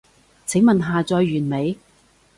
請問下載完未？